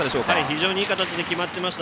非常にいい形で決まっていました。